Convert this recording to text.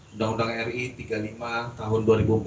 undang undang ri tiga puluh lima tahun dua ribu empat belas